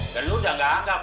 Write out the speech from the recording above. dan lo udah gak anggap